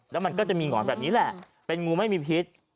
แล้วมันก็จะมีหงอนแบบนี้แหละเป็นงูไม่มีพิษ